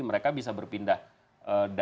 mereka bisa berpindah ke dunia internet of thing ini